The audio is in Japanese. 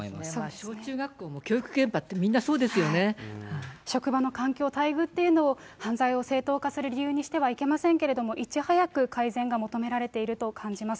小中学校も教育現場って、職場の環境、待遇というのを犯罪を正当化する理由にしてはいけませんけれども、いち早く改善が求められていると感じます。